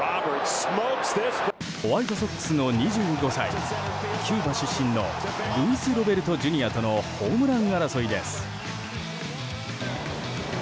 ホワイトソックスの２５歳キューバ出身のルイス・ロベルトＪｒ．とのホームラン争いです。